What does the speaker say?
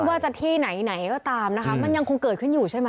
ว่าจะที่ไหนไหนก็ตามนะคะมันยังคงเกิดขึ้นอยู่ใช่ไหม